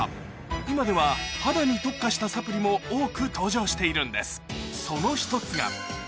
今では肌に特化したサプリも多く登場しているんです